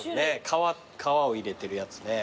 皮を入れてるやつね。